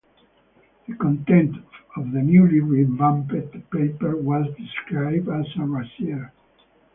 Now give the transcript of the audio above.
The content of the newly revamped paper was described as racier.